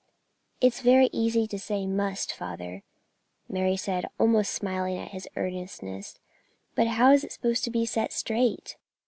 "It's very easy to say 'must,' father," Mary said, almost smiling at his earnestness, "but how is it to be set straight?"